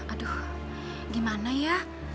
aduh gimana ya